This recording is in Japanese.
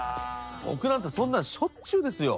僕なんてそんなんしょっちゅうですよ。